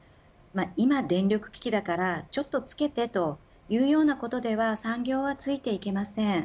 今、電力危機だからちょっとつけてというようなことでは産業は付いていきません。